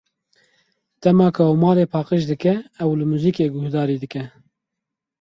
Dema ku ew malê paqij dike, ew li muzîkê guhdarî dike.